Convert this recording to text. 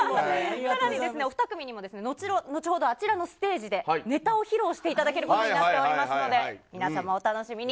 さらにお２組にも後ほどあちらのステージでネタを披露していただけることになっておりますので、皆様、お楽しみに。